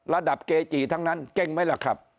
เกจิทั้งนั้นเก่งไหมล่ะครับ